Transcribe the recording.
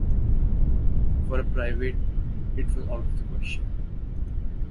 For a private it was out of the question.